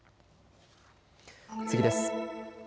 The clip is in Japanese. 次です。